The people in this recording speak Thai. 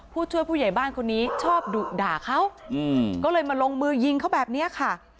ผู้ช่วยผู้ใหญ่บ้านคนนี้ชอบดุด่าเขาก็เลยมาลงมือยิงเขาแบบนี้ค่ะ